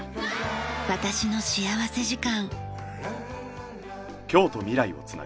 『私の幸福時間』。